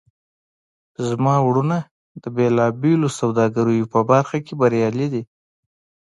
زما وروڼه د بیلابیلو سوداګریو په برخه کې بریالي دي